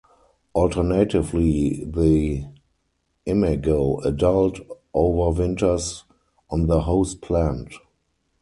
Alternatively the imago (adult) overwinters on the host plant.